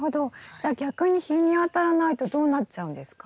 じゃあ逆に日に当たらないとどうなっちゃうんですか？